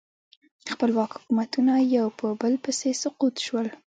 خپلواک حکومتونه یو په بل پسې سقوط شول.